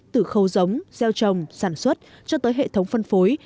từ khâu giống gieo trồng sản xuất cho tới hệ thống phân phối